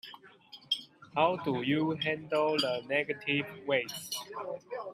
How do you handle the negative weights?